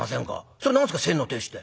それ何すか先の亭主って。